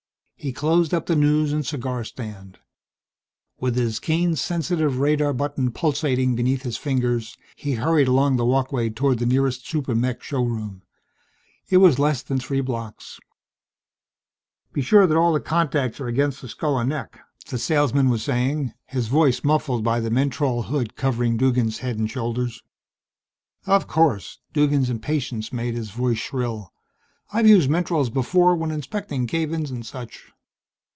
He closed up the news and cigar stand. With his cane's sensitive radar button pulsating beneath his fingers he hurried along the walkway toward the nearest super mech showroom. It was less than three blocks.... "Be sure that all the contacts are against the skull and neck," the salesman was saying, his voice muffled by the mentrol hood covering Duggan's head and shoulders. "Of course." Duggan's impatience made his voice shrill. "I've used mentrols before when inspecting cave ins and such."